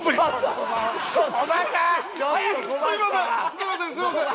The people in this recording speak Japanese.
すいませんすいません。